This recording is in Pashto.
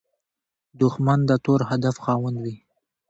دښمن د تور هدف خاوند وي